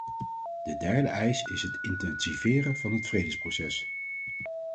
De derde eis is het intensiveren van het vredesproces.